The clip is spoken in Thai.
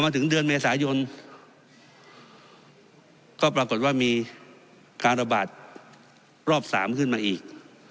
ถึงเดือนเมษายนก็ปรากฏว่ามีการระบาดรอบ๓ขึ้นมาอีก